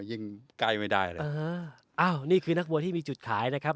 ยิ่งใกล้ไม่ได้เลยเอออ้าวนี่คือนักมวยที่มีจุดขายนะครับ